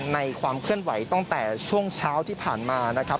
ความเคลื่อนไหวตั้งแต่ช่วงเช้าที่ผ่านมานะครับ